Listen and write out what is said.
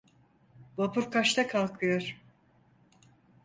Vapur kaçta kalkıyor?